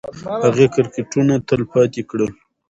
هغې کرکټرونه تلپاتې کړل.